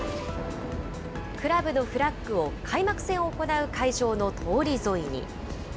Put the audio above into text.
クラブのフラッグを開幕戦を行う会場の通り沿いに。